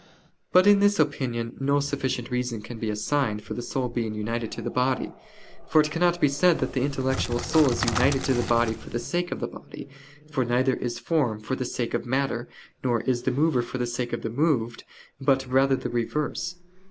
But in this opinion no sufficient reason can be assigned for the soul being united to the body. For it cannot be said that the intellectual soul is united to the body for the sake of the body: for neither is form for the sake of matter, nor is the mover for the sake of the moved, but rather the reverse.